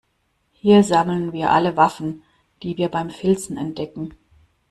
Hier sammeln wir alle Waffen, die wir beim Filzen entdecken.